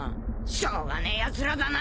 しょうがねえやつらだな。